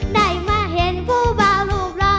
ได้มาเห็นผู้บ่าลูบรอ